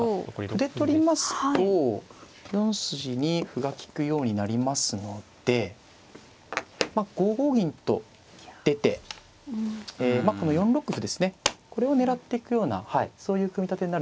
歩で取りますと４筋に歩が利くようになりますので５五銀と出てこの４六歩ですねこれを狙ってくようなそういう組み立てになるんじゃないかなと思いますね。